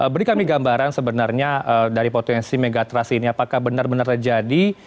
beri kami gambaran sebenarnya dari potensi megatrust ini apakah benar benar terjadi